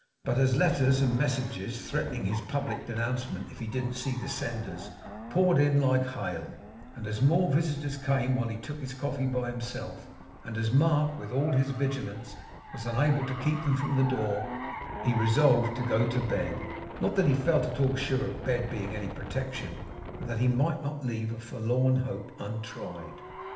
But as letters and messages, threatening his public denouncement if he didn't see the senders, poured in like hail; and as more visitors came while he took his coffee by himself; and as Mark, with all his vigilance, was unable to keep them from the door; he resolved to go to bed not that he felt at all sure of bed being any protection, but that he might not leave a forlorn hope untried.